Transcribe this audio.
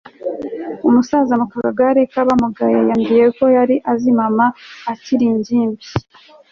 Umusaza mu kagare kabamugaye yambwiye ko yari azi mama akiri ingimbi